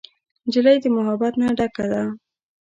نجلۍ د محبت نه ډکه ده.